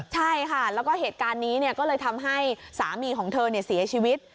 ใช่ค่ะแล้วก็เหตุการณ์นี้ก็เลยทำให้สามีของเธอเสียชีวิต